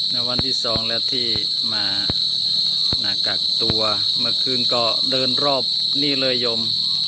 ในวันที่สองแล้วที่มากักตัวเมื่อคืนก็เดินรอบนี่เลยยม